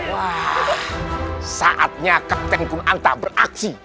wah saatnya kapten kum anta beraksi